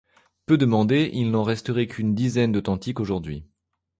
Peu demandée, il n'en resterait qu'une dizaine d'authentiques aujourd'hui.